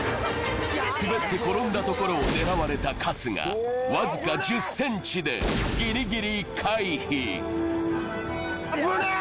滑って転んだところを狙われた春日わずか１０ｃｍでギリギリ回避危ね！